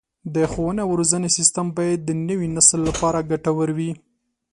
د ښوونې او روزنې سیستم باید د نوي نسل لپاره ګټور وي.